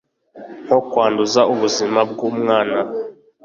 nko kwanduza ubuzima bw umwana